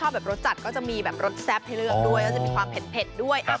แบบรสจัดก็จะมีแบบรสแซ่บให้เลือกด้วยแล้วจะมีความเผ็ดด้วย